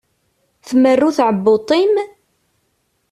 Tmerru tɛebbuḍt-im?